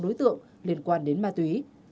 đối tượng liên quan đến ma túy